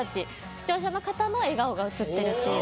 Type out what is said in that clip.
視聴者の方の笑顔が映ってるっていう。